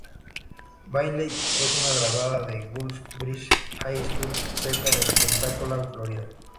Bailey es una graduada de Gulf Breeze High School cerca de Pensacola, Florida.